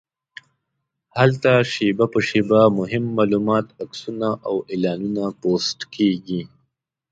هلته شېبه په شېبه مهم معلومات، عکسونه او اعلانونه پوسټ کېږي.